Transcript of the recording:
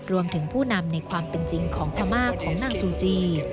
ผู้นำในความเป็นจริงของพม่าของนางซูจี